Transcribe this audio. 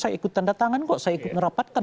saya ikut tanda tangan kok saya ikut merapatkan